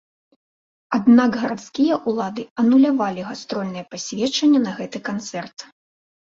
Аднак гарадскія ўлады анулявалі гастрольнае пасведчанне на гэты канцэрт.